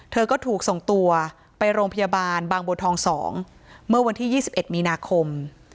เธอก็ถูกส่งตัวไปโรงพยาบาลบางบัวทอง๒เมื่อวันที่๒๑มีนาคม